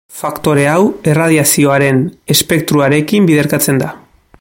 Faktore hau erradiazioaren espektroarekin biderkatzen da.